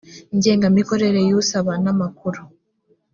ngengamikorere y usaba n amakuru